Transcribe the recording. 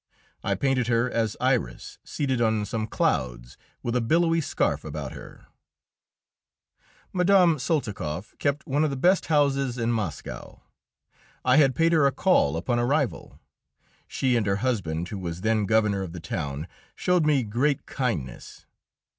I painted her as Iris, seated on some clouds, with a billowy scarf about her. [Illustration: MADAME VIGÉE LEBRUN.] Mme. Soltikoff kept one of the best houses in Moscow. I had paid her a call upon arrival. She and her husband, who was then Governor of the town, showed me great kindness.